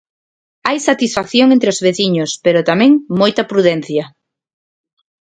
Hai satisfacción entre os veciños, pero tamén moita prudencia.